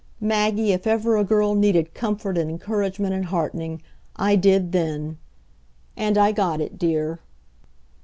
Maggie, if ever a girl needed comfort and encouragement and heartening, I did then. And I got it, dear.